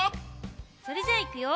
それじゃあいくよ！